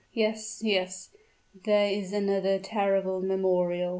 "Yes, yes; there is another terrible memorial!"